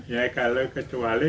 ya kalau kecuali